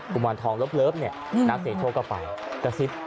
กุมารทองเลิฟนักเสร็จโทรกกลับไปกระซิบ